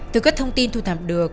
từ các thông tin thu thập được